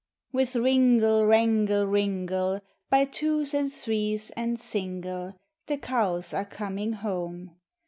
With ringle, rangle, ringle, \\y twos and threes and single, The cows are coming home.